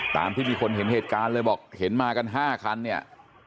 ตามที่มีคนเห็นเหตุการณ์เลยบอกเห็นมากัน๕คันเนี่ย